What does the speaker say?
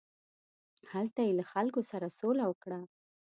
هلته یې له خلکو سره سوله وکړه.